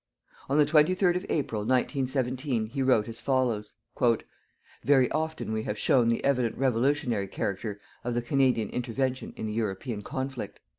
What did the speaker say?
On the 23rd of April, 1917, he wrote as follows: "_Very often we have shown the evident revolutionary character of the Canadian intervention in the European conflict.